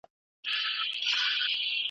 پوهه د بریا کلید ګڼل کېږي.